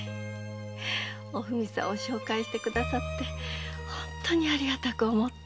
おふみさんを紹介して下さって本当にありがたく思ってます。